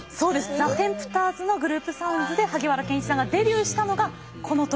ザ・テンプターズのグループサウンズで萩原健一さんがデビューしたのがこの時。